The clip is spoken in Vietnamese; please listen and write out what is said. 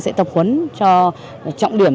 sẽ tập huấn cho trọng điểm